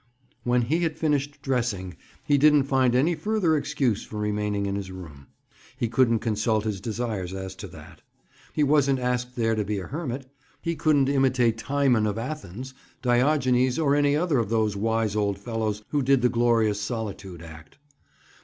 When he had finished dressing, he didn't find any further excuse for remaining in his room. He couldn't consult his desires as to that. He wasn't asked there to be a hermit. He couldn't imitate Timon of Athens, Diogenes or any other of those wise old fellows who did the glorious solitude act.